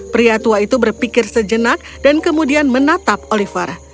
pria tua itu berpikir sejenak dan kemudian menatap oliver